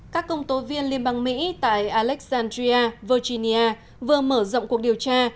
các công tố viên liên bang mỹ tại alexandria virginia vừa mở rộng cuộc điều tra